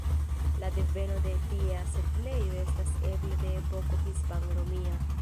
La deveno de tiea setlejoj estas eble de epoko hispan-romia.